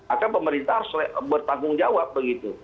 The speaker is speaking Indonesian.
akan pemerintah harus bertanggung jawab begitu